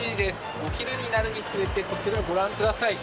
お昼になるにつれて、こちらご覧ください。